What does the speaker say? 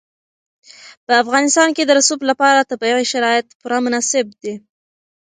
په افغانستان کې د رسوب لپاره طبیعي شرایط پوره مناسب دي.